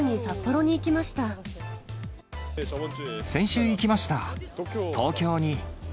先週行きました、東京に。